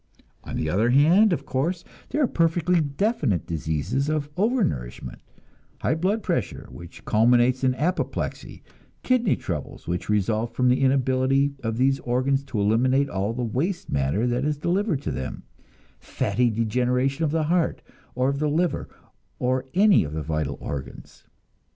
On the other hand, of course, there are perfectly definite diseases of overnourishment; high blood pressure, which culminates in apoplexy; kidney troubles, which result from the inability of these organs to eliminate all the waste matter that is delivered to them; fatty degeneration of the heart, or of the liver, or any of the vital organs.